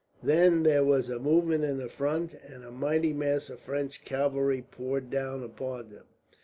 Then there was a movement in their front, and a mighty mass of French cavalry poured down upon them.